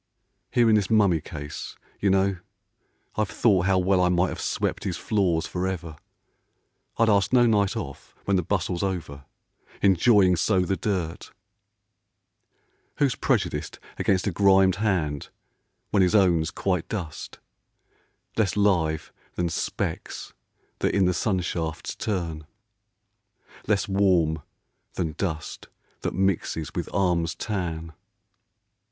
Here in this mummy case, you know, I've thought How well I might have swept his floors for ever, I'd ask no night off when the bustle's over, Enjoying so the dirt. Who's prejudiced Against a grimed hand when his own's quite dust, Less live than specks that in the sun shafts turn, Less warm than dust that mixes with arms' tan